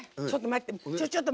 ちょっと待って。